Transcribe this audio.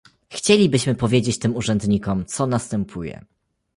Chcielibyśmy powiedzieć tym urzędnikom, co następuje